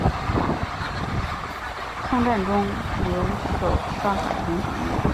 抗战中留守上海银行业。